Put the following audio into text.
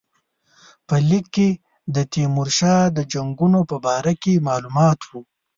په لیک کې د تیمورشاه د جنګونو په باره کې معلومات وو.